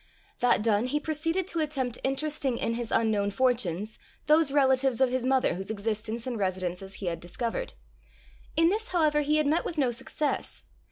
That done, he proceeded to attempt interesting in his unknown fortunes those relatives of his mother whose existence and residences he had discovered. In this, however, he had met with no success.